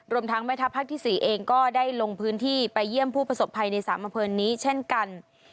ทั้งแม่ทัพภาคที่๔เองก็ได้ลงพื้นที่ไปเยี่ยมผู้ประสบภัยใน๓อำเภอนี้เช่นกัน